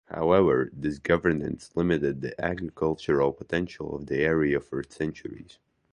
However this governance limited the agricultural potential of the area for centuries.